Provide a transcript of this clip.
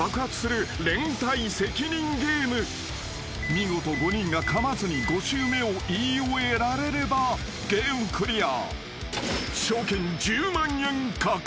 ［見事５人がかまずに５周目を言い終えられればゲームクリア］